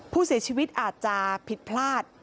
ผู้เสียชีวิตอาจจะผิดพลาด